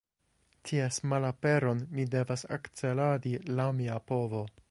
Ties malaperon mi devas akceladi laŭ mia povo.